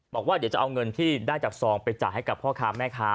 บอกว่าเดี๋ยวจะเอาเงินที่ได้จากซองไปจ่ายให้กับพ่อค้าแม่ค้า